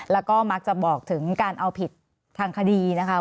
แล้วก็มักจะบอกถึงการเอาผิดทางคดีนะคะ